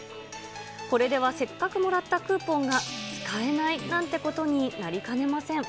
これではせっかくもらったクーポンが使えないなんてことになりかねません。